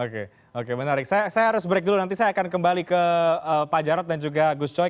oke oke menarik saya harus break dulu nanti saya akan kembali ke pak jarod dan juga gus coy